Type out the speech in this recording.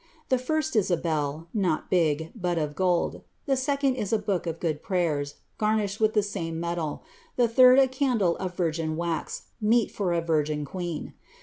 The first is a bell, not bi;;, but of gold ; the second is a book of good prayers, garnished with the same metal ; the third a candle of virgin wax, meet for a virgin queen.